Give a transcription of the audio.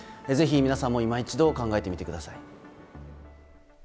ぜひ、皆さんも今一度考えてみてください。